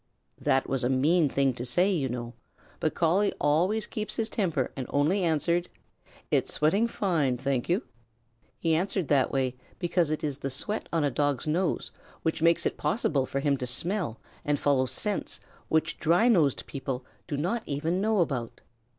That was a mean thing to say, you know, but Collie always keeps his temper and only answered, "It's sweating finely, thank you." He answered that way because it is the sweat on a Dog's nose which makes it possible for him to smell and follow scents which dry nosed people do not even know about.